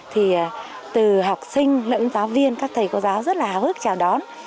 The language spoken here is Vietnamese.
thì từ học sinh lẫn giáo viên các thầy cô giáo rất là hào hức chào đón